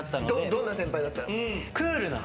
どんな先輩だったの？